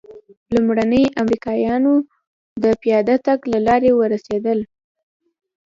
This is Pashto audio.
لومړني امریکایان د پیاده تګ له لارې ورسېدل.